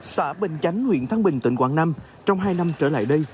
xã bình chánh huyện thăng bình tỉnh quảng nam trong hai năm trở lại đây